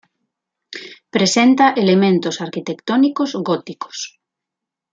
Presenta elementos arquitectónicos góticos.